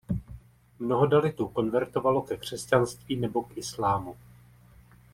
Mnoho Dalitů konvertovalo ke křesťanství nebo k islámu.